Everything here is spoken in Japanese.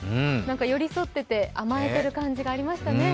寄り添ってて、甘えてる感じがありましたね。